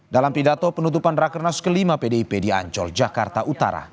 dalam pidato penutupan rakernas ke lima pdip di ancol jakarta utara